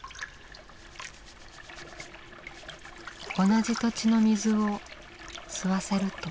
同じ土地の水を吸わせると。